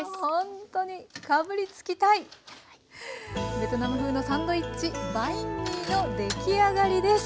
ベトナム風のサンドイッチバインミーの出来上がりです。